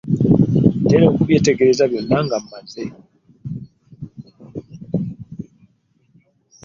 Ntera okubyetegereza byonna nga mmaze.